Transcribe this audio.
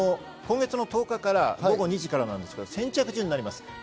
今月１０日から午後２時からですが先着順になります。